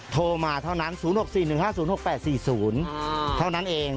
โทรมาเท่านั้น๐๖๔๑๕๐๖๘๔๐เท่านั้นเอง